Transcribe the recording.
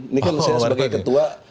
ini kan saya sebagai ketua